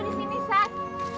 sat aku di sini sat